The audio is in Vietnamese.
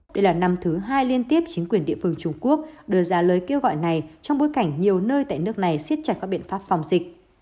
đây là năm thứ hai liên tiếp chính quyền địa phương trung quốc đưa ra lời kêu gọi này trong bối cảnh nhiều nơi tại nước này siết chặt các biện pháp phòng dịch